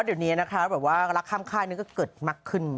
ก็คือตอนนี้ราคาป้ามข้าวก็เกิดมากขึ้น